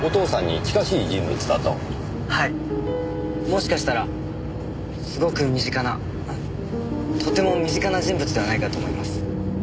もしかしたらすごく身近なあっとても身近な人物ではないかと思います。